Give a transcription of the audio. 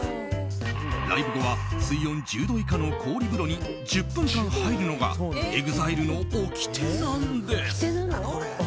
ライブ後は水温１０度以下の氷風呂に１０分間入るのがＥＸＩＬＥの掟なんです。